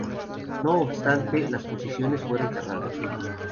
No obstante, las posiciones fueron cerradas.